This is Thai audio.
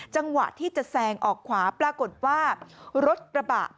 จังหวะที่จะแซงออกขวาปรากฏว่ารถกระบะ